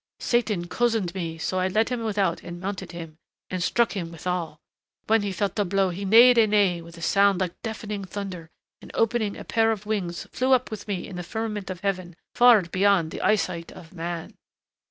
"Satan cozened me, so I led him without and mounted him ... and struck him withal. When he felt the blow he neighed a neigh with a sound like deafening thunder and opening a pair of wings flew up with me in the firmament of heaven far beyond the eyesight of man.